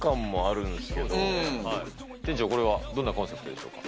店長、これはどんなコンセプトでしょうか。